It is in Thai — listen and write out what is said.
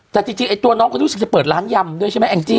แต่จริงจริงตัวน้องมันน่าเปิดร้านยำด้วยใช่ไหมเอ็งจี่